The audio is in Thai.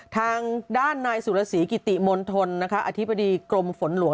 ทางด้านนายสุรสีกิติมณฑลอธิบดีกรมฝนหลวง